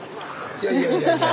いやいやいやいや。